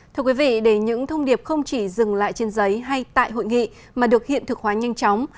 thưa quý vị để những thông điệp không chỉ dừng lại trên giấy hay tại hội nghị mà được hiện thực hóa nhanh chóng